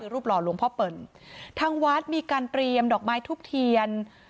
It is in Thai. รูปหล่อหลวงพ่อเปิ่นทางวัดมีการเตรียมดอกไม้ทุบเทียน